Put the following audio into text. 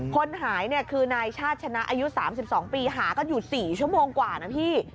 คนหายเนี่ยคือนายชาติชนะอายุ๓๒ปีหากันอยู่๔ชั่วโมงกว่านะพี่